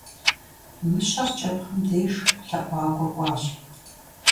Мыщэр кӀэпхъым деж лъэӀуакӀуэ кӀуащ.